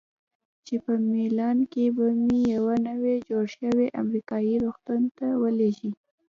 چې په میلان کې به مې یوه نوي جوړ شوي امریکایي روغتون ته ولیږي.